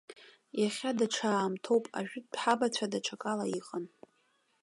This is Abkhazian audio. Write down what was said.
Иахьа даҽа аамҭоуп, ажәытә ҳабацәа даҽакала иҟан.